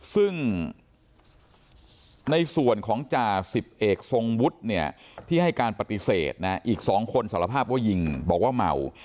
ซึ่งในส่วนของจ่าสิบเอกทรงวุฒิเนี่ยที่ให้การปฏิเสธนะอีก๒คนสารภาพว่ายิงบอกว่าเมา